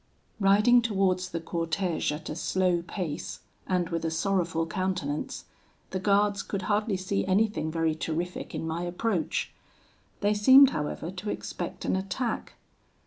"Riding towards the cortege at a slow pace, and with a sorrowful countenance, the guards could hardly see anything very terrific in my approach. They seemed, however, to expect an attack.